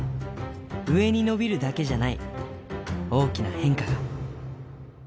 上に伸びるだけじゃない、大きな変化が。